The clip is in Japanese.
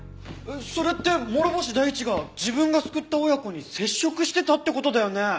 それって諸星大地が自分が救った親子に接触してたって事だよね？